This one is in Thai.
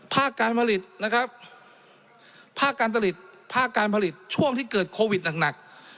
ภาคการผลิตนะครับภาคการผลิตภาคการผลิตช่วงที่เกิดโควิดหนัก